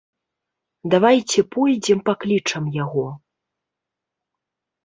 Давайце пойдзем паклічам яго.